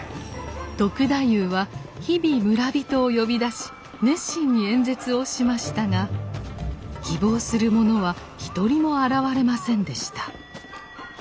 篤太夫は日々村人を呼び出し熱心に演説をしましたが希望する者は一人も現れませんでした。